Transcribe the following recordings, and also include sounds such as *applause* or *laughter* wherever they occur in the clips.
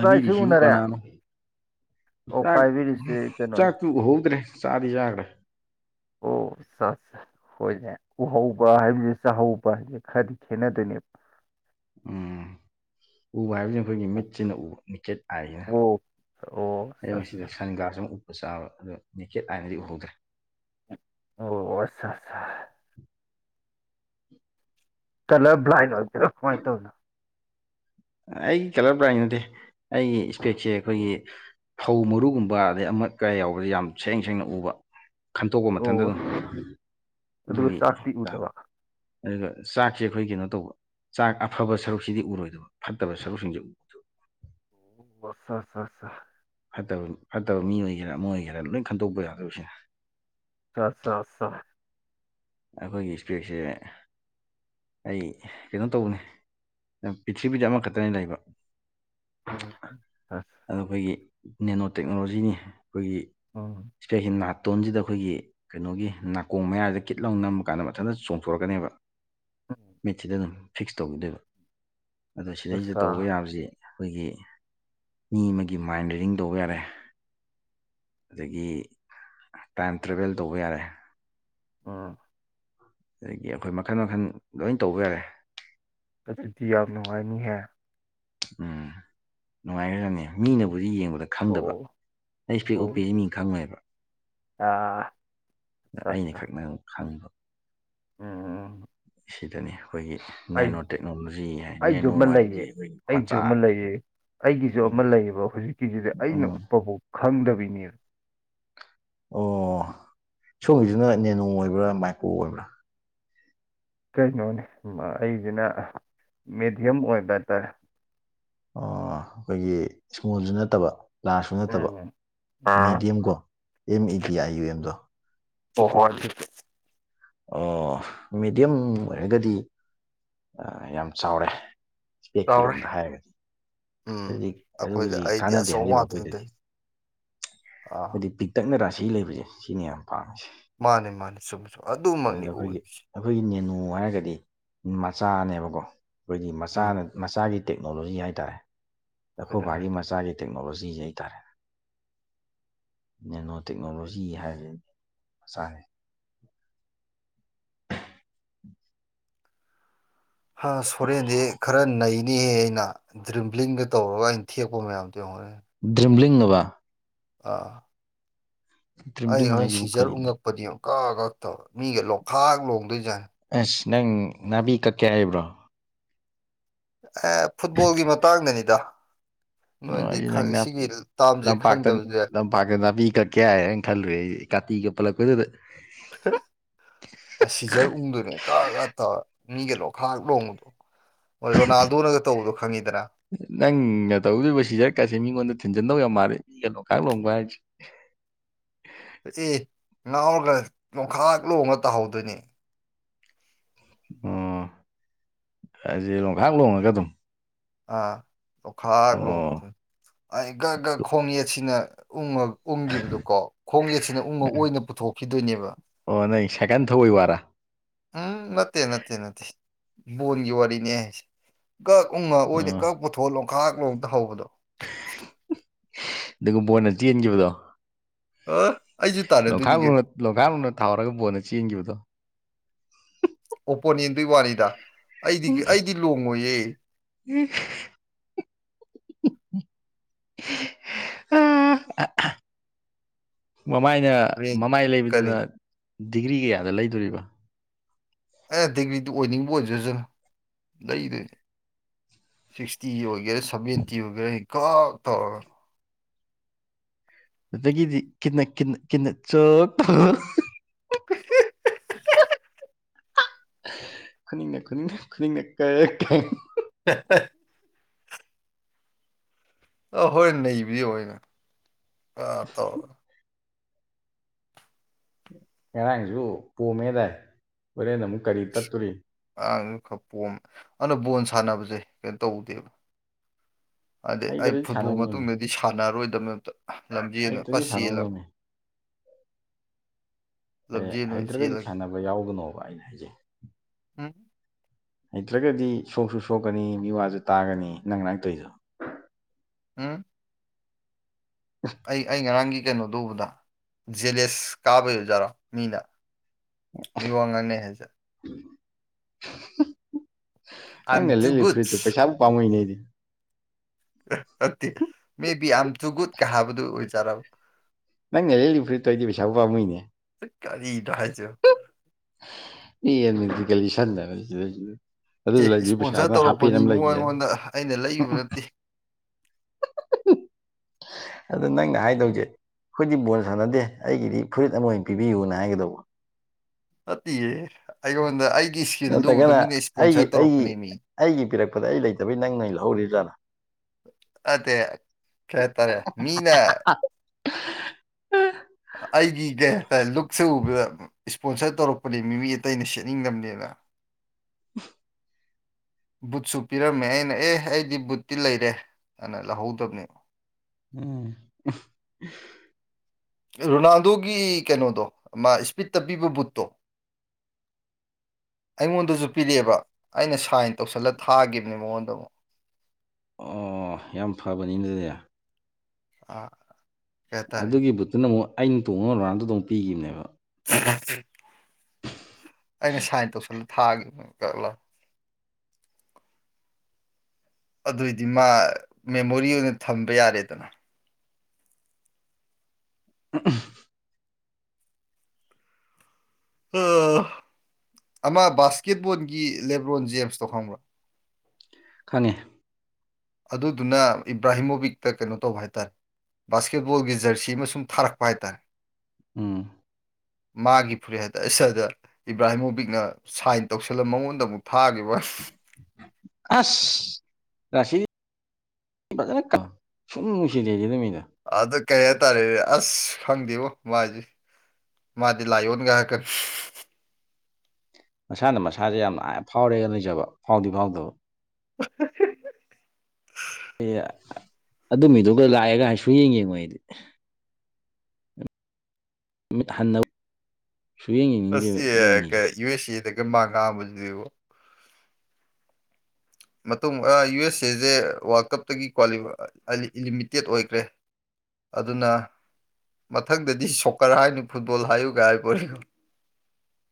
ꯆꯥꯛ ꯏꯁꯤꯡ ꯎꯅꯔꯦ ꯀꯅꯥꯅꯣ ꯑꯣ ꯆꯥꯛ ꯄꯥꯏꯕꯤꯔꯤꯁꯦ ꯀꯩꯅꯣꯅꯦ ꯆꯥꯛꯇꯨ ꯍꯧꯗ꯭ꯔꯦ ꯆꯥꯗꯤ ꯆꯥꯈ꯭ꯔꯦ ꯑꯣ ꯁꯥ ꯁꯥ ꯍꯣꯏꯅꯦ ꯎꯍꯧꯕ ꯍꯥꯏꯕꯖꯤꯒ ꯆꯥꯍꯧꯕ ꯍꯥꯏꯕꯖꯤꯒ ꯈꯔꯗꯤ ꯈꯦꯠꯅꯗꯣꯏꯅꯦꯕ ꯎꯝ ꯎꯕ ꯍꯥꯏꯕꯁꯤꯅ ꯑꯩꯈꯣꯏꯒꯤ ꯃꯤꯠꯆꯤꯅ ꯎꯕ ꯃꯤꯠꯆꯦ *unintelligible* ꯑꯩꯗꯣ ꯑꯣ ꯑꯣ ꯉꯁꯤꯗꯣ ꯑꯆꯥ ꯁꯟꯒ꯭ꯂꯥꯁ ꯑꯃ ꯎꯞ ꯆꯥꯕ ꯑꯗꯨ ꯅꯦꯀꯦꯠ ꯑꯥꯏꯅꯗꯤ ꯎꯍꯧꯗ꯭ꯔꯦ ꯑꯣ ꯑꯁꯥ ꯁꯥ ꯀꯂꯔ ꯕ꯭ꯂꯥꯏꯟ ꯑꯣꯏꯕꯗꯣ ꯀꯃꯥꯏ ꯇꯎꯔꯤꯅꯣ ꯑꯩ ꯀꯂꯔ ꯕ꯭ꯔꯥꯏꯟ ꯅꯠꯇꯦ ꯑꯩꯒꯤ ꯏꯁꯄꯦꯛꯁꯦ ꯑꯩꯈꯣꯏꯒꯤ ꯐꯧ ꯃꯔꯨꯒꯨꯝꯕ ꯑꯗꯩ ꯑꯃꯠ ꯀꯩ ꯌꯥꯎꯕꯖ ꯌꯥꯝ ꯁꯦꯡ ꯁꯦꯡꯅ ꯎꯕ ꯈꯟꯇꯣꯛꯄ ꯃꯊꯟꯗ ꯑꯣ ꯑꯗꯨꯝ ꯑꯗꯨꯒ ꯑꯗꯨꯒꯤ *unintelligible* ꯆꯥꯛꯇꯤ ꯎꯗꯕ ꯑꯗꯨꯒ ꯆꯥꯛꯁꯦ ꯑꯩꯈꯣꯏ ꯀꯩꯅꯣ ꯇꯧꯕ ꯆꯥꯛ ꯑꯐꯕ ꯁꯔꯨꯛꯁꯤꯗꯤ ꯎꯔꯣꯏꯗꯕ ꯐꯠꯇꯕ ꯁꯔꯨꯛꯁꯤꯡꯖꯦ *unintelligible* ꯋꯣ ꯁꯥ ꯁꯥ ꯁꯥ ꯐꯠꯇꯕ ꯐꯠꯇꯕ ꯃꯤ ꯑꯣꯏꯒꯦꯔꯥ ꯑꯃ ꯑꯣꯏꯒꯦꯔꯥ ꯂꯣꯏ ꯈꯟꯗꯣꯛꯄ ꯌꯥꯗꯧꯁꯦ ꯁꯥ ꯁꯥ ꯑꯠꯁꯥ ꯑꯩꯈꯣꯏꯒꯤ ꯏꯁꯄꯦꯛꯁꯦ ꯑꯩ ꯀꯩꯅꯣ ꯇꯧꯕꯅꯦ ꯄ꯭ꯔꯤꯊꯤꯕꯤꯗ ꯑꯃꯈꯛꯇꯅꯦ ꯂꯩꯕ ꯎꯝ ꯑꯁ ꯑꯗꯣ ꯑꯩꯈꯣꯏꯒꯤ ꯅꯦꯅꯣ ꯇꯦꯛꯅꯣꯂꯣꯖꯤꯅꯤ ꯑꯩꯈꯣꯏꯒꯤ ꯎꯝ ꯏꯁꯄꯦꯁꯤ ꯅꯥꯇꯣꯟꯁꯤꯗ ꯑꯩꯈꯣꯏꯒꯤ ꯀꯩꯅꯣꯒꯤ ꯅꯥꯀꯣꯡ ꯃꯌꯥꯁꯦ ꯄꯀꯤꯠ ꯂꯧ ꯅꯝꯃ ꯀꯥꯟꯗ ꯃꯊꯟꯇ ꯆꯣꯡꯊꯣꯔꯛꯀꯅꯦꯕ ꯎꯝ ꯃꯤꯠꯁꯤꯗ ꯑꯗꯨꯝ ꯐꯤꯛꯁ ꯇꯧꯤꯗꯣꯏꯕ ꯑꯗꯣ ꯁꯤꯗꯩꯁꯤꯗ ꯑꯆꯥ ꯇꯧꯕ ꯌꯥꯕꯁꯤ ꯑꯩꯈꯣꯏꯒꯤ ꯃꯤ ꯑꯃꯒꯤ ꯃꯥꯏꯟ ꯔꯤꯗꯤꯡ ꯇꯧꯕ ꯌꯥꯔꯦ ꯑꯗꯒꯤ ꯇꯥꯏꯝ ꯇ꯭ꯔꯦꯕꯦꯜ ꯇꯧꯕ ꯌꯥꯔꯦ ꯎꯝ ꯑꯗꯒꯤ ꯑꯩꯈꯣꯏ ꯃꯈꯟ ꯃꯈꯟ ꯂꯣꯏ ꯇꯧꯕ ꯌꯥꯔꯦ ꯑꯗꯨꯗꯤ ꯌꯥꯝ ꯅꯨꯡꯉꯥꯏꯅꯤꯍꯦ ꯎꯝ ꯅꯨꯡꯉꯥꯏꯈ꯭ꯔꯥꯖꯠꯅꯤ ꯃꯤꯅꯕꯨꯗꯤ ꯌꯦꯡꯕꯗ ꯈꯪꯗꯕ ꯑꯣ ꯑꯩ ꯏꯁꯄꯦꯛ ꯑꯣ ꯎꯞꯄꯦꯁꯤ ꯃꯤ ꯈꯪꯉꯦꯕ ꯑꯥ ꯑꯆꯥ ꯑꯩꯅ ꯈꯛꯅ ꯈꯪꯕ ꯎꯝ ꯎꯝ ꯑꯁꯤꯗꯅꯤ ꯑꯩꯈꯣꯏꯒꯤ ꯑꯩ ꯅꯦꯅꯣ ꯇꯦꯛꯅꯣꯂꯣꯖꯤ ꯍꯥꯏ ꯑꯩꯁꯨ ꯅꯦꯅꯣ ꯑꯃ ꯍꯥꯏꯕꯗꯤ ꯂꯩꯌꯦ ꯑꯩꯈꯣꯏꯒꯤ ꯑꯩꯁꯨ ꯃꯆꯥ ꯑꯃ ꯂꯩꯌꯦ ꯑꯩꯒꯤꯁꯨ ꯑꯃ ꯂꯩꯌꯦꯕ ꯍꯧꯖꯤꯛꯀꯤꯁꯤꯗꯤ ꯑꯩꯅ ꯎꯝ ꯎꯞꯄꯐꯥꯎ ꯈꯪꯗꯕꯤꯅꯦꯃꯦ ꯑꯣ ꯁꯣꯝꯒꯤꯁꯤꯅ ꯅꯦꯅꯣ ꯑꯣꯏꯕ꯭ꯔꯥ ꯃꯥꯏꯀ꯭ꯔꯣ ꯑꯣꯏꯕ꯭ꯔꯥ ꯀꯩꯅꯣꯅꯤ ꯑꯩꯁꯤꯅ ꯃꯦꯗꯤꯌꯝ ꯑꯣꯏꯕ ꯍꯥꯏꯇꯥꯔꯦ ꯑꯩꯈꯣꯏꯒꯤ ꯏꯁꯃꯣꯜꯁꯨ ꯅꯠꯇꯕ ꯂꯥꯔꯖꯁꯨ ꯅꯠꯇꯕ ꯎꯝ ꯑꯥ ꯃꯦꯗꯤꯌꯝ ꯀꯣ M E D I U ꯑꯦꯝꯗꯣ ꯑꯣ ꯍꯣꯏꯦ *inaudible* ꯃꯦꯗꯤꯌꯝ ꯑꯣꯏꯔꯒꯗꯤ ꯌꯥꯝ ꯆꯥꯎꯔꯦ ꯆꯥꯎꯔꯦ ꯏꯁꯄꯦꯛꯀꯤꯔꯣꯝꯗ ꯍꯥꯏꯔꯒꯗꯤ ꯎꯝ ꯑꯗꯨꯗꯤ ꯑꯩꯈꯣꯏꯗꯤ ꯑꯗꯨꯗꯤ ꯑꯩꯗꯤ ꯀꯥꯟꯅꯗꯦ ꯑꯆꯧꯕ ꯍꯥꯏꯔꯤꯕ ꯉꯥꯛꯇꯅꯤ ꯑꯩꯈꯣꯏꯗꯗꯤ ꯂꯩ ꯑꯥ ꯍꯥꯏꯗꯤ ꯄꯤꯛꯇꯛꯅꯔꯥ ꯁꯤ ꯂꯩꯕꯁꯦ ꯁꯤꯅꯤ ꯌꯥꯝ ꯄꯥꯝꯃꯤꯁꯦ ꯃꯥꯅꯦ ꯃꯥꯅꯦ ꯁꯨꯝ ꯁꯨꯝ ꯑꯗꯨꯃꯛꯅꯤ ꯑꯗꯨꯅ ꯑꯩꯈꯣꯏꯒꯤ ꯑꯣꯏꯔꯤꯁꯦ ꯑꯩꯈꯣꯏꯒꯤ ꯅꯦꯅꯣ ꯍꯥꯏꯔꯒꯗꯤ ꯃꯆꯥꯅꯦꯕꯀꯣ ꯑꯩꯈꯣꯏꯒꯤ ꯎꯝ ꯃꯆꯥꯅ ꯃꯆꯥꯒꯤ ꯇꯦꯛꯅꯣꯂꯣꯖꯤ ꯍꯥꯏꯇꯥꯔꯦ ꯍꯣꯏꯅꯦ ꯑꯩꯈꯣꯢꯕꯥꯒꯤ ꯍꯣꯏꯅꯦ ꯃꯆꯥꯒꯤ ꯇꯦꯛꯅꯣꯂꯣꯖꯤꯁ ꯍꯥꯏꯇꯥꯔꯦ ꯅꯦꯅꯣ ꯇꯦꯛꯅꯣꯂꯣꯖꯤ ꯍꯥꯏꯕꯁꯤꯗꯤ ꯃꯆꯥꯅꯦ ꯍꯥꯁ ꯁꯣꯔꯦꯟꯁꯦ ꯈꯔ ꯅꯩ ꯅꯦꯍꯦ ꯑꯩꯅ ꯗ꯭ꯔꯤꯝꯕ꯭ꯂꯤꯡꯒ ꯇꯧꯔꯒ ꯑꯩꯅ ꯊꯦꯛꯄ ꯃꯌꯥꯝꯗꯣꯡ ꯌꯦꯡꯉꯣ ꯗ꯭ꯔꯤꯝꯂꯤꯡꯑꯕ ꯑꯥ ꯗ꯭ꯔꯤꯝꯂꯤꯡ ꯑꯩꯅ ꯍꯥꯏꯁꯤꯕꯨ ꯁꯤꯖꯔ ꯀꯔꯤꯅꯣ ꯎꯪꯉꯛꯄꯗꯤ ꯑꯃꯨꯛ ꯀꯛ ꯀꯛ ꯇꯧꯔꯦ ꯃꯤꯒ ꯂꯣꯛꯈꯥꯛ ꯂꯣꯡꯗꯣꯏꯖꯥꯠꯅꯤ ꯑꯁ ꯅꯪ ꯅꯥꯕꯤ ꯀꯛꯀꯦ ꯍꯥꯏꯔꯤꯕ꯭ꯔꯣ ꯑꯦ ꯐꯨꯠꯕꯣꯜꯒꯤ ꯃꯇꯥꯡꯗꯅꯤꯗ ꯑꯣ ꯅꯣꯏꯗꯤ ꯑꯩꯗꯤ ꯅꯪ ꯁꯤꯒꯤ ꯇꯥꯝꯁꯦ ꯈꯪꯗꯕꯁꯦ ꯂꯥꯝꯄꯥꯛꯇ ꯅꯥꯄꯤ ꯀꯛꯀꯦ ꯍꯥꯏꯅ ꯈꯜꯂꯨꯔꯦ ꯑꯩ ꯀꯥꯇꯤꯒꯛ ꯄꯜꯂꯛꯄꯗꯨꯗ ꯑꯁ ꯁꯤꯖꯔ ꯎꯪꯗꯣꯏꯅꯦ ꯀ ꯀ ꯇꯧꯔ ꯃꯤꯒ ꯂꯣ ꯈꯔꯍꯥꯛ ꯂꯣꯡꯕꯗꯣ ꯍꯣꯏ ꯔꯣꯅꯥꯜꯗꯣꯅꯒ ꯇꯧꯕꯗꯣ ꯈꯪꯉꯤꯗꯅ ꯅꯪꯅ ꯇꯧꯗꯣꯏꯕ ꯁꯤꯖꯔꯀꯁꯤꯦ ꯃꯤꯉꯣꯟꯗ ꯊꯤꯟꯖꯟꯗꯧ ꯌꯥꯝ ꯃꯥꯜꯂꯦ ꯃꯤꯒ ꯂꯣꯡꯈꯥꯛ ꯂꯣꯡꯒ ꯍꯥꯏꯔꯤꯁꯦ ꯑꯦ ꯉꯥꯎꯔꯒ ꯅꯣꯡꯈꯥꯛ ꯂꯣꯡꯉ ꯇꯥꯍꯧꯗꯣꯏꯅꯦ ꯑꯝ ꯍꯥꯏꯁꯦ ꯂꯣꯡꯈꯥꯛ ꯂꯣꯡꯉꯒ ꯑꯗꯨꯝ ꯑ ꯂꯣꯛꯈꯥꯛ ꯑꯣ ꯂꯣꯛꯈꯤꯗ ꯑꯩꯒ *inaudible* ꯈꯣꯡꯡꯂꯠꯁꯤꯅ ꯎꯉ ꯎꯪꯈꯤꯕꯗꯀꯣ ꯈꯣꯡ ꯌꯦꯠꯁꯤꯅ ꯎꯉ ꯑꯣꯏꯅ ꯄꯨꯊꯣꯛꯈꯤꯗꯣꯏꯅꯦꯕ ꯑꯣ ꯅꯪꯒꯤꯁꯦ ꯁꯥꯏꯀꯜ ꯊꯧꯕꯩ ꯋꯥꯔꯥ ꯎꯝ ꯅꯠꯇꯦ ꯅꯠꯇꯦ ꯅꯠꯇꯦ ꯕꯣꯜꯒꯤ ꯋꯥꯔꯤꯅꯦ ꯍꯥꯏꯁꯦ ꯀꯛ ꯎ ꯉ ꯎꯝ ꯀ ꯄꯨꯊꯣꯛ ꯂꯣꯡꯈꯥꯛ ꯂꯣꯟ ꯇꯍꯧꯕꯗꯣ ꯑꯗꯨꯒ ꯕꯣꯟꯅ ꯆꯦꯟꯈꯤꯕꯗꯣ ꯍꯥ ꯂꯣꯡꯈꯥꯛꯂꯣ ꯂꯣꯡꯈꯥꯛꯂꯣꯟꯅ ꯊꯥꯎꯔꯒ ꯕꯣꯟꯅ ꯆꯦꯟꯈꯤꯕꯗꯣ ꯑꯣꯄꯣꯅꯦꯟꯗꯨꯒꯤ ꯋꯥꯅꯤꯗ ꯑꯩꯗꯤ ꯑꯩꯗꯤ ꯂꯣꯡꯉꯣꯏꯌꯦ ꯎꯝ *inaudible* ꯎꯝ *inaudible* ꯃꯃꯥꯏꯅ ꯔꯦꯡ ꯃꯃꯥꯏ ꯀꯔꯤ ꯂꯩꯕꯗꯨꯅ ꯗꯤꯒ꯭ꯔꯤ ꯀꯌꯥꯗ ꯂꯩꯗꯨꯔꯤꯕ ꯑꯦ ꯗꯤꯒ꯭ꯔꯤꯗꯨ ꯑꯣꯏꯅꯤꯡꯕ ꯑꯣꯏꯖꯁꯅꯨ ꯂꯩꯗꯣꯏꯅꯤ ꯁꯤꯛꯁꯇꯤ ꯑꯣꯏꯒꯦꯔꯥ ꯁꯚꯦꯟꯇꯤ ꯑꯣꯏꯒꯦꯔꯥ ꯍꯀꯛ ꯇꯧꯔꯒ ꯑꯗꯨꯗꯒꯤꯗꯤ ꯀꯤꯟ *inaudible* ꯅ ꯀ ꯀꯤ ꯆꯣꯛ ꯈꯨꯅꯤꯡꯅ ꯈꯨꯅꯤꯡꯅ ꯈꯨꯅꯤꯡꯅ ꯀꯥꯛ ꯀꯥꯛ *inaudible* ꯑ ꯍꯣꯏ ꯅꯩꯕꯗꯤ ꯌꯦꯡꯉꯣ ꯑꯩꯅ ꯑꯥ ꯇꯧ ꯉꯔꯥꯡꯁꯨ ꯄꯣꯝꯃꯦꯗꯥꯏ ꯍꯣꯔꯦꯟ ꯑꯃꯨꯛ ꯀꯔꯤ ꯇꯠꯇꯣꯔꯤ ꯑ ꯈꯔ ꯄꯣꯝ ꯑꯗꯨꯅ ꯕꯣꯜ ꯁꯥꯟꯅꯕꯁꯦ ꯀꯩꯅꯣ ꯇꯧꯗꯦꯕ ꯍꯥꯏꯗꯤ ꯑꯩ ꯍꯩꯇ꯭ꯔꯗꯤ ꯐꯨꯠꯕꯣꯜ ꯁꯥꯟꯅꯧꯅꯨꯅꯦ ꯃꯇꯨꯡꯗꯗꯤ ꯁꯥꯟꯅꯔꯔꯣꯏꯗꯕꯅꯦ ꯑꯝꯇ ꯂꯝꯖꯦꯜꯅ ꯍꯩꯇ꯭ꯔꯗꯤ ꯐꯖꯟꯅ ꯆꯦꯜꯂꯕ ꯁꯥꯟꯅꯧꯅꯨꯅꯦ ꯑꯦ ꯂꯝꯖꯦꯜ ꯑꯣꯏꯅ ꯍꯩꯇ꯭ꯔꯒꯗꯤ ꯆꯦꯜꯂꯒꯦ ꯁꯥꯟꯅꯕ ꯌꯥꯎꯒꯅꯣꯕ ꯑꯩꯅ ꯍꯥꯏꯖꯩ ꯎꯝ ꯍꯩꯇ꯭ꯔꯒꯗꯤ ꯁꯣꯛꯁꯨ ꯁꯣꯛꯀꯅꯤ ꯃꯤ ꯋꯥꯁꯨ ꯇꯥꯒꯅꯤ ꯅꯪ ꯉꯔꯥꯡꯇꯧꯏꯗꯣ ꯎꯝ ꯑꯩ ꯑꯩ ꯉꯔꯥꯡꯒꯤ ꯀꯩꯅꯣꯗꯣ ꯎꯧꯕꯗ ꯖꯦꯂꯦꯁ ꯀꯥꯕꯒꯤ ꯑꯣꯏꯖꯔꯣ ꯃꯤꯅ ꯃꯤ ꯋꯥꯡ ꯉꯥꯡꯅꯦ ꯍꯥꯏꯁꯦ ꯑꯥꯏ ꯑꯦꯝ ꯅꯪꯅ ꯇꯨ ꯂꯤꯠꯂꯤ ꯒꯨꯗ ꯐꯨꯔꯤꯠꯇꯨ ꯄꯩꯁꯥꯕꯨ ꯄꯥꯝꯃꯨꯏꯅꯦ ꯑꯩꯗꯤ *unintelligible* ꯃꯦ ꯕꯤ ꯑꯌꯝ ꯆꯨꯒꯨꯠꯀ ꯍꯥꯕꯗꯨ ꯑꯣꯏꯖꯔꯕ ꯅꯪꯅ ꯂꯤꯠꯂꯤ ꯐꯨꯔꯤꯠꯇꯩ ꯄꯩꯥꯕꯨ ꯄꯥꯃꯣꯏꯅꯦ ꯀꯔꯤꯅꯣ ꯍꯥꯏꯁꯤꯕꯨ *unintelligible* ꯂꯤꯠꯁꯟꯗ ꯁꯤꯗꯩꯁꯤꯗ ꯑꯗꯨ ꯑꯦ ꯂꯩꯗꯣꯏ ꯏꯁꯄꯣꯟꯁꯔ ꯄꯩꯁꯥꯗꯨꯅ ꯍꯥꯄꯦꯟ ꯇꯧꯔꯛꯄꯅꯤ ꯑꯃ ꯏꯕꯨꯡꯉꯣ ꯂꯩꯒꯦ ꯍꯥꯏꯅꯤ. ꯑꯩꯉꯣꯟꯗ ꯑꯩꯅ ꯂꯩꯔꯨꯕ ꯅꯠꯇꯦ *unintelligible* ꯑꯗ ꯅꯪꯅ ꯍꯥꯏꯗꯧꯁꯦ ꯑꯩꯈꯣꯏꯗꯤ ꯕꯣꯜ ꯁꯥꯟꯅꯗꯦ ꯑꯩꯒꯤꯗꯤ ꯐꯨꯔꯤꯠ ꯑꯃ ꯑꯣꯏꯅ ꯄꯤꯕꯤꯌꯨꯅ ꯍꯥꯏꯒꯗꯧꯕ ꯅꯠꯇꯦꯌꯦ ꯑꯩꯉꯣꯟꯗ ꯑꯩꯒꯤ ꯏꯁꯀꯤꯜꯗꯨ ꯎꯕꯗ ꯅꯠꯇ꯭ꯔꯒꯅ ꯃꯤꯅ ꯑꯩꯒꯤ ꯏꯁꯄꯣꯟꯁꯔ ꯑꯩꯒꯤ ꯇꯧꯔꯛꯄꯅꯦ ꯃꯤ ꯑꯩꯒꯤ ꯄꯤꯔꯛꯄꯗ ꯑꯩ ꯂꯩꯇꯕꯩ ꯅꯪꯑꯣꯏ ꯂꯧꯍꯧꯔꯤꯖꯥꯠꯂ ꯑꯇꯦ ꯀꯇꯥꯔꯦ ꯃꯤꯅ ꯑꯩꯒꯤ ꯀꯩꯇꯥꯔ ꯂꯨꯛꯁꯦ ꯎꯕꯗ ꯏꯁꯄꯣꯟꯁꯔ ꯇꯧꯔꯛꯄꯅꯦ ꯃꯤ ꯑꯇꯩ ꯑꯩꯅ ꯁꯦꯠꯅꯤꯡꯅꯅꯦꯅ ꯕꯨꯠꯁꯨ ꯄꯤꯔꯝꯃꯦ ꯑꯩꯅ ꯑꯦ ꯑꯩꯗꯤ ꯕꯨꯠꯇꯤ ꯂꯩꯔꯦ ꯑꯗꯨꯅ ꯂꯧꯍꯧꯗꯕꯅꯦ ꯎꯝ ꯔꯣꯅꯥꯜꯗꯣꯒꯤ ꯀꯩꯅꯣꯗꯣ ꯃꯥ ꯏꯁꯄꯤꯠꯇ ꯄꯤꯕ ꯕꯨꯠꯇꯣ ꯑꯩꯉꯣꯟꯗꯁꯨ ꯄꯤꯔꯛꯑꯦꯕ ꯑꯩꯅ ꯁꯥꯏꯟ ꯇꯧꯁꯜꯂ ꯊꯥꯈꯤꯕꯅꯦ ꯃꯉꯣꯟꯗ ꯑꯃꯨꯛ ꯑꯣ ꯌꯥꯝ ꯐꯕꯅꯤ ꯑꯗꯨꯗꯤ ꯑ ꯀꯩ ꯍꯥꯏꯇꯥꯔꯦ ꯑꯗꯨꯒꯤ ꯕꯨꯠꯇꯨꯅ ꯑꯃꯨꯛ ꯑꯩꯅ ꯇꯣꯡꯉ ꯔꯣꯅꯥꯟꯗꯣꯗ ꯑꯃꯨꯛ ꯄꯤꯈꯤꯕꯅꯦꯕ *unintelligible* ꯑꯩꯅ ꯁꯥꯏꯟ ꯇꯧꯁꯜꯂ ꯊꯥꯈꯤꯕ ꯀꯛꯂꯎ ꯑꯗꯨꯏꯗꯤ ꯃꯥ ꯃꯦꯃꯣꯔꯤ ꯑꯣꯏꯅ ꯊꯝꯕ ꯌꯥꯔꯦꯗꯅ ꯎ *unintelligible* ꯑꯃ ꯕꯥꯁꯀꯦꯠꯕꯣꯜꯒꯤ ꯂꯦꯕ꯭ꯔꯣꯟ ꯖꯦꯝꯁꯇꯣ ꯈꯪꯕ꯭ꯔꯥ ꯈꯪꯉꯦ ꯑꯗꯨꯗꯨꯅ ꯏꯕ꯭ꯔꯥꯍꯤꯃꯣꯕꯤꯛꯇ ꯀꯩꯅꯣ ꯇꯧꯕ ꯍꯥꯏꯇꯥꯔꯦ ꯕꯥꯁꯀꯦꯠ ꯕꯣꯜꯒꯤ ꯖꯔꯁꯤ ꯑꯃ ꯁꯨꯝ ꯊꯥꯔꯛꯄ ꯍꯥꯏꯇꯥꯔꯦ ꯎꯝ ꯃꯥꯒꯤ ꯐꯨꯔꯤꯠ ꯍꯥꯏꯗ ꯑꯩ ꯁꯗ ꯏꯕ꯭ꯔꯥꯍꯤꯝ ꯃꯨꯕꯤꯛꯅ ꯁꯥꯏꯟ ꯇꯧꯁꯤꯜꯂ ꯃꯉꯣꯟꯗ ꯑꯃꯨꯛ ꯊꯥꯈꯤꯕ ꯑꯁ ꯔꯁꯤ ꯐꯖꯅ ꯀꯪ ꯁꯨꯝ ꯅꯨꯡ ꯅꯨꯡꯁꯤꯗꯦ ꯑꯗꯨ ꯃꯤꯗꯣ ꯑꯗꯨ ꯀꯩ ꯍꯥꯏꯇꯥꯔꯦꯅꯦ ꯑꯁ ꯈꯪꯗꯦꯕꯣ ꯃꯥꯏꯁꯦ ꯃꯥꯗꯤ ꯂꯥꯏꯌꯣꯟꯒ ꯍꯥꯏꯔꯛꯀꯅꯤ ꯃꯁꯥꯅ ꯃꯁꯥꯁꯦ ꯌꯥꯝ ꯑꯥ ꯐꯥꯎꯔꯦꯒ ꯂꯩꯖꯕ ꯐꯥꯎꯗꯤ ꯐꯥꯎꯗꯕ ꯍ *unintelligible* ꯑꯦ ꯑꯗꯨꯃꯤꯗꯨꯒ ꯂꯥꯛꯑꯦꯒ ꯁꯨꯡ ꯌꯦꯡ ꯌꯦꯡꯉꯣ ꯑꯩꯗꯤ ꯅꯨꯃꯤꯠ ꯍꯟꯅ ꯐꯎ ꯁꯨꯡꯌꯦꯡ ꯑꯁ ꯌꯦꯡꯅꯤꯡꯗꯦꯕ ꯑꯗꯨ ꯑꯦ ꯃꯤꯁꯦ ꯀꯩ ꯌꯨ ꯑꯦꯁ ꯑꯦꯗꯒ ꯃꯥꯀꯥꯕꯖꯤꯗꯤꯕꫭ ꯃꯇꯨꯡ ꯑ ꯌꯨ ꯑꯦꯁ ꯑꯦꯁꯦ ꯋꯥꯔꯜ ꯀꯞꯇꯒꯤ ꯀ꯭ꯋꯥ ꯂꯤꯃꯤꯇꯦꯠ ꯑꯣꯏꯈ꯭ꯔꯦ ꯑꯗꯨꯅ ꯃꯊꯪꯗꯗꯤ ꯁꯣꯀꯔ ꯍꯥꯏꯅꯨ ꯐꯨꯠꯕꯣꯜ ꯍꯥꯏꯌꯨꯀꯥꯏ ꯍꯥꯏꯔꯤꯄꫭꯠꯅꯤꯀꫭ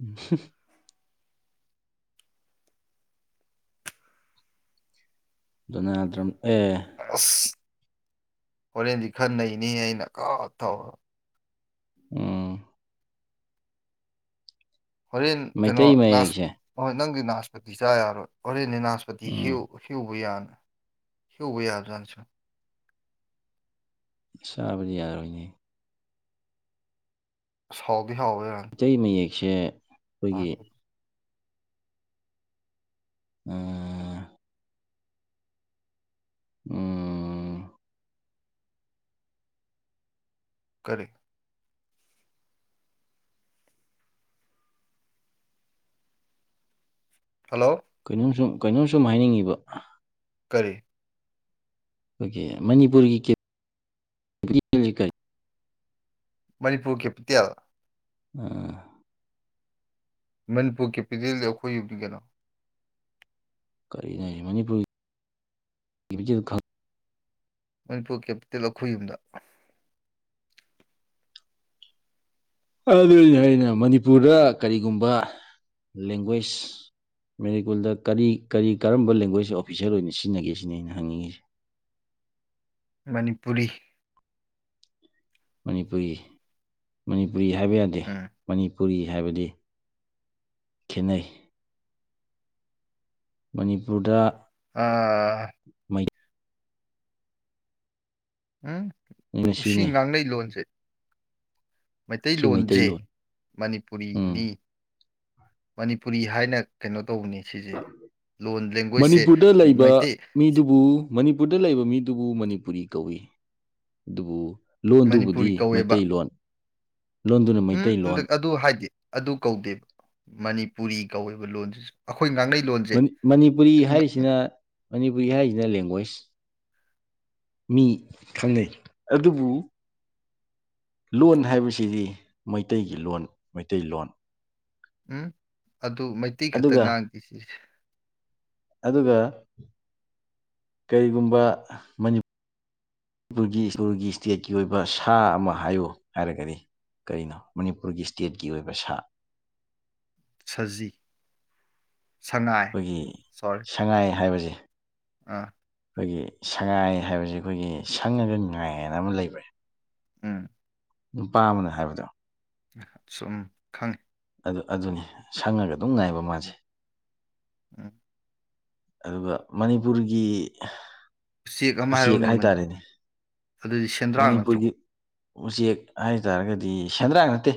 ꯎꯝ *unintelligible* ꯗꫭꯅꯗꯔꯝ ꯑꯦ ꯑꯁ ꯍꯣꯔꯦꯟꯗꯤ ꯈꯔꯅꯩꯅꯤꯍꯦ ꯑꯩꯅ ꯀꯥ ꯊꯥꯎ ꯎꯝ ꯍꯣꯔꯦꯟ ꯀꯩꯅꯣ ꯃꯩꯇꯩ ꯂꯥꯁ ꯃꯌꯦꯛꯁꯦ ꯑꯣꯍꯣꯏ ꯅꯪꯗꯤ ꯅꯥꯁꯄꯇꯤ ꯆꯥ ꯌꯥꯔꯣꯏ ꯍꯣꯔꯦꯟꯗꯤ ꯅꯥꯁꯄꯇꯤ ꯍꯦꯛꯎ ꯎꯝ ꯍꯦꯛꯎꯕ ꯌꯥꯅꯤ ꯍꯦꯛꯎꯕ ꯌꯥꯕꯖꯥꯠꯅꯤ ꯁꯦ ꯆꯥꯕꯗꯤ ꯌꯥꯔꫭꯏꯅꯦ ꯑꯁ ꯍꯥꯎꯗꯤ ꯌꯍꯥꯎꯕꯔ ꯃꯩꯇꯩ ꯃꯌꯦꯛꯁꯦ ꯑꯩꯈꯣꯏꯒꯤ ꯎꯝ ꯎꯝ ꯀꯔꯤ ꯍꯜꯂꯣ ꯀꯩꯅꯣꯝ ꯁꯨꯝ ꯀꯩꯅꯣꯝ ꯁꯨꯝ ꯍꯥꯏꯅꯤꯡꯉꯤꯕ ꯀꯔꯤ ꯑꯩꯈꯣꯏꯒꯤ ꯃꯅꯤꯄꯨꯔꯒꯤ ꯀꯦ ꯃꯅꯤꯄꯨꯔ ꯀꯦꯄꯤꯇꯦꯜ ꯎꯝ ꯃꯅꯤꯄꯨꯔ ꯀꯦꯄꯤꯇꯦꯜꯗꯤ ꯑꯩꯈꯣꯏ ꯌꯨꯝꯅꯤ ꯀꯩꯅꯣ ꯀꯔꯤꯅꯣ ꯍꯥꯏꯖꯦ ꯃꯅꯤꯄꯨꯔ ꯀꯦꯄꯤꯇꯦꯜ ꯈꯪ ꯃꯅꯤꯄꯨꯔ ꯀꯦꯄꯤꯇꯦꯜ ꯑꯩꯈꯣꯏ ꯌꯨꯝꯗ ꯑꯗꯨꯅꯤꯅꯦ ꯑꯩꯅ ꯃꯅꯤꯄꯨꯔꯗ ꯀꯔꯤꯒꯨꯝꯕ ꯂꯦꯡꯒ꯭ꯋꯦꯁ ꯃꯦꯔꯤꯀꯨꯜꯗ ꯀꯔꯤ ꯀꯔꯤ ꯀꯔꯝꯕ ꯂꯦꯡꯒ꯭ꯋꯦꯁ ꯑꯣꯐꯤꯁꯦꯜ ꯑꯣꯏꯅ ꯁꯤꯖꯤꯟꯅꯒꯦ ꯁꯤꯅꯤ ꯑꯩꯅ ꯍꯪꯅꯤꯡꯉꯤꯁꯦ ꯃꯅꯤꯄꯨꯔꯤ ꯃꯅꯤꯄꯨꯔꯤ ꯃꯅꯤꯄꯨꯔꯤ ꯍꯥꯏꯕ ꯌꯥꯗꯦ ꯎꯝ ꯃꯅꯤꯄꯨꯔꯤ ꯍꯥꯏꯕꯗꯤ ꯈꯦꯠꯅꯩ ꯃꯅꯤꯄꯨꯔꯗ ꯑꯥ ꯎꯝ ꯃꯩꯇꯩꯅ ꯁꯤ ꯁꯤꯖꯤꯟꯅꯩ ꯉꯥꯡꯅꯩ ꯂꯣꯟꯖꯦ ꯁꯤ ꯃꯩꯇꯩꯂꯣꯟꯖꯦ ꯃꯩꯇꯩꯂꯣꯟ ꯃꯅꯤꯄꯨꯔꯤꯅꯤ ꯎꯝ ꯃꯅꯤꯄꯨꯔꯤ ꯍꯥꯏꯅ ꯀꯩꯅꯣ ꯇꯧꯕꯅꯤ ꯁꯤꯁꯦ ꯂꯣꯟ ꯂꯦꯡꯒ꯭ꯋꯦꯁꯁꯦ ꯃꯅꯤꯄꯨꯔꯗ ꯃꯩꯇꯩ ꯂꯩꯕ ꯃꯤꯗꯨꯕꯨ ꯃꯅꯤꯄꯨꯔꯗ ꯂꯩꯕ ꯃꯤꯗꯨꯕꯨ ꯃꯅꯤꯄꯨꯔꯤ ꯀꯧꯋꯤ ꯑꯗꯨꯕꯨ ꯂꯣꯟꯗꯨꯕꯨꯗꯤ ꯃꯅꯤꯄꯨꯔꯤ ꯀꯧꯋꯦꯕ ꯃꯩꯇꯩꯂꯣꯟ ꯂꯣꯟꯗꯨꯅ ꯎꯝ ꯃꯩꯇꯩꯂꯣꯟ ꯍꯟꯗꯛ ꯑꯗꯨ ꯍꯥꯏꯗꯦ ꯑꯗꯨ ꯀꯧꯗꯦꯕ ꯃꯅꯤꯄꯨꯔꯤ ꯀꯧꯋꯦꯕ ꯂꯣꯟꯁꯤꯁꯨ ꯑꯩꯈꯣꯏ ꯉꯥꯡꯅꯩ ꯂꯣꯟꯁꯦ ꯃꯅꯤ ꯃꯅꯤꯄꯨꯔꯤ ꯍꯥꯏꯔꯤꯁꯤꯅ ꯃꯅꯤꯄꯨꯔꯤ ꯍꯥꯏꯔꯤꯁꯤꯅ ꯂꯦꯡꯒ꯭ꯋꯦꯁ ꯃꯤ ꯈꯪꯅꯩ ꯑꯗꯨꯕꯨ ꯂꯣꯟ ꯍꯥꯏꯕꯁꯤꯗꯤ ꯃꯩꯇꯩꯒꯤ ꯂꯣꯟ ꯃꯩꯇꯩꯂꯣꯟ ꯎꯝ ꯑꯗꯨ ꯃꯩꯇꯩ ꯈꯛꯇ ꯑꯗꯨꯒ ꯉꯥꯡꯗꯦ ꯁꯤꯁꯦ ꯑꯗꯨꯒ ꯀꯔꯤꯒꯨꯝꯕ ꯃꯅꯤ ꯄꯨꯔꯒꯤ ꯏꯁꯄꯨꯔꯒꯤ ꯏꯁꯇꯦꯠꯀꯤ ꯑꯣꯏꯕ ꯁꯥ ꯑꯃ ꯍꯥꯏꯌꯨ ꯍꯥꯏꯔꯒꯗꯤ ꯀꯩꯅꯣ ꯃꯅꯤꯄꯨꯔꯒꯤ ꯏꯁꯇꯦꯠꯀꯤ ꯑꯣꯏꯕ ꯁꯥ ꯁꯖꯤ ꯁꯉꯥꯏ ꯑꯩꯈꯣꯏꯒꯤ ꯁꯣꯔꯤ ꯁꯉꯥꯏ ꯍꯥꯏꯕꯖꯦ ꯑꯥ ꯑꯩꯈꯣꯏꯒꯤ ꯁꯉꯥꯏ ꯍꯥꯏꯕꯁꯤ ꯑꯩꯈꯣꯏꯒꯤ ꯁꯪꯉꯒ ꯉꯥꯏꯅ ꯑꯃ ꯂꯩꯕꯅꯦ ꯎꯝ ꯅꯨꯄꯥ ꯑꯃꯅ ꯍꯥꯏꯕꯗꯣ ꯁꯨꯝ ꯈꯪꯉꯤ ꯑꯗꯨ ꯑꯗꯨꯅꯤ ꯁꯪꯉꯒ ꯑꯗꯨꯝ ꯉꯥꯏꯕ ꯃꯥꯁꯦ ꯎꯝ ꯑꯗꯨꯒ ꯃꯅꯤꯄꯨꯔꯒꯤ ꯑꯃ ꯎꯆꯦꯛ ꯍꯥꯏꯔꯛꯎꯅꯦ ꯃꯅꯤ ꯍꯥꯏꯇꯥꯔꯦꯅꯦ ꯑꯗꯨꯗꯤ ꯁ ꯃꯅꯤꯄꯨꯔꯒꯤ ꯎꯆꯦꯛ ꯍꯥꯏꯇꯥꯔꯒꯗꯤ ꯁꯦꯟꯗ꯭ꯔꯥꯡ ꯅꯠꯇꯦ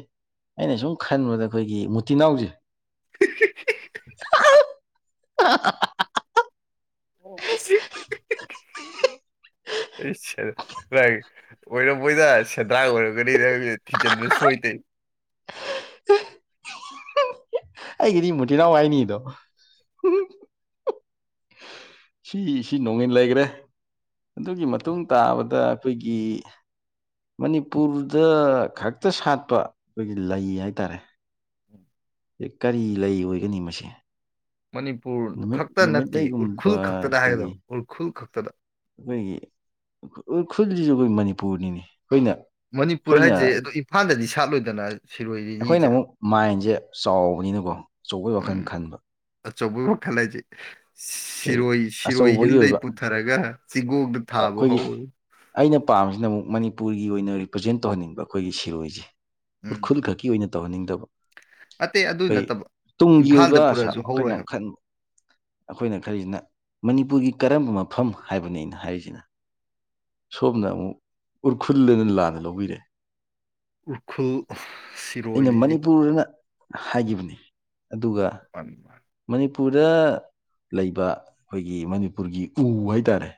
ꯑꯩꯅ ꯁꯨꯝ ꯈꯟꯕꯗ ꯑꯩꯈꯣꯏꯒꯤ ꯃꯨꯇꯤꯅꯥꯎꯁꯦ *unintelligible* *unintelligible* ꯑꯣꯏꯔꯝꯃꯣꯏꯗ ꯁꯦꯟꯗ꯭ꯔꯥꯡ ꯑꯣꯏꯔꯒꯅꯤ ꯅꯪꯅ ꯊꯤꯖꯤꯟꯕ ꯁꯣꯏꯗꯦ ꯑꯩꯒꯤꯗꯤ ꯃꯨꯇꯤꯅꯥꯎ ꯍꯥꯏꯅꯤꯗꯣ ꯁꯤ ꯁꯤ ꯅꯣꯡꯉꯤꯟ ꯂꯩꯒ꯭ꯔꯦ ꯑꯗꯨꯒꯤ ꯃꯇꯨꯡ ꯇꯥꯕꯗ ꯑꯩꯈꯣꯏꯒꯤ ꯃꯅꯤꯄꯨꯔꯗ ꯈꯛꯇ ꯁꯥꯠꯄ ꯑꯩꯈꯣꯏꯒꯤ ꯂꯩ ꯍꯥꯏꯇꯥꯔꯦ ꯑꯦ ꯀꯔꯤ ꯂꯩ ꯑꯣꯏꯒꯅꯤ ꯃꯁꯦ ꯃꯅꯤꯄꯨꯔ ꯅꯨꯃꯤꯠ ꯈꯛꯇ ꯅꯨꯃꯤꯠ ꯅꯠꯇꯦ ꯂꯩꯒꯨꯝꯕ ꯎꯔꯈ꯭ꯔꯨꯜ ꯈꯛꯇꯗ ꯑꯩꯈꯣꯏꯒꯤ ꯍꯥꯏꯒꯗꯕ ꯎꯔꯈꯨꯜ ꯈꯛꯇꯗ ꯑꯩꯈꯣꯏꯒꯤ ꯎꯈꯜꯁꯤꯁꯨ ꯑꯩꯈꯣꯏ ꯃꯅꯤꯄꯨꯔꯅꯤꯅꯤ ꯑꯩꯈꯣꯏꯅ ꯃꯅꯤꯄꯨꯔ ꯑꯩꯈꯣꯏꯅ ꯍꯥꯏꯁꯦ ꯑꯗꯣ ꯏꯝꯐꯥꯜꯗꯗꯤ ꯁꯥꯠꯂꯣꯏꯗꯅ ꯁꯤꯔꯣꯏ ꯑꯩꯈꯣꯏꯅ ꯂꯤꯂꯤꯁꯦ ꯑꯃꯨꯛ ꯃꯥꯏꯟꯁꯦ ꯆꯥꯎꯕꯅꯤꯅꯀꯣ ꯑꯆꯧꯕꯩ ꯋꯥꯈꯜ ꯈꯟꯕ ꯑ ꯆꯨꯡ ꯃꯈ ꯈꯥꯂꯦ ꯑꯩꯈꯣꯏ ꯁꯤꯔꯣꯏ ꯁꯤꯔꯣꯏ ꯑꯆꯧꯕꯒꯤ ꯍꯤꯜꯗꯩ ꯑꯣꯏꯕ ꯄꯨꯊꯔꯒ ꯆꯤꯡꯒꯣꯡꯗ ꯊꯥꯕ ꯑꯩꯈꯣꯏꯒꯤ ꯍꯧꯔ ꯑꯩꯅ ꯄꯥꯝꯃꯤꯁꯤꯅ ꯑꯃꯨꯛ ꯃꯅꯤꯄꯨꯔꯒꯤ ꯑꯣꯏꯅ ꯔꯤꯄ꯭ꯔꯖꯦꯟ ꯇꯧꯍꯟꯅꯤꯡꯕ ꯑꯩꯈꯣꯏꯒꯤ ꯁꯤꯔꯣꯏꯁꯦ ꯎꯝ ꯎꯔꯈ꯭ꯔꯨꯜ ꯈꯛꯀꯤ ꯑꯣꯏꯅ ꯇꯧꯍꯟꯅꯤꯡꯗꯕ ꯑꯇꯩ ꯑꯗꯨ ꯑꯩꯈꯣꯏ ꯅꯠꯇꯕ ꯇꯨꯡꯒꯤ ꯏꯝꯐꯥꯜꯗ ꯑꯣꯏꯕ ꯑꯁꯥ ꯄꯨꯔꯛꯑꯁꯨ ꯑꯩꯈꯣꯏꯅ ꯍꯧꯔꯣꯏ ꯌꯥꯝ ꯍꯥꯏꯕ ꯈꯟꯕ ꯑꯩꯈꯣꯏꯅ ꯈꯔꯤꯁꯤꯅ ꯃꯅꯤꯄꯨꯔꯒꯤ ꯀꯔꯝꯕ ꯃꯐꯝ ꯍꯥꯏꯕꯅꯤ ꯑꯩꯅ ꯍꯥꯏꯔꯤꯁꯤꯅ ꯁꯣꯝꯅ ꯑꯃꯨꯛ ꯎꯔꯈꯨꯜꯅ ꯂꯥꯟꯅ ꯂꯧꯕꯤꯔꯦ ꯎꯈ꯭ꯔꯨꯜ ꯁꯤꯔꯣꯏ ꯑꯩꯅ ꯂꯤꯂꯤ ꯃꯅꯤꯄꯨꯔꯅ ꯍꯥꯏꯒꯤꯕꯅꯤ ꯑꯗꯨꯒ ꯄꯝꯃ ꯃꯅꯤꯄꯨꯔꯗ ꯂꯩꯕ ꯑꯩꯈꯣꯏꯒꯤ ꯃꯅꯤꯄꯨꯔꯒꯤ ꯎ ꯍꯥꯏꯇꯥꯔꯦ